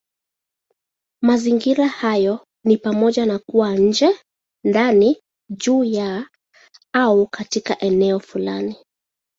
Mazingira hayo ni pamoja na kuwa nje, ndani, juu ya, au katika eneo fulani.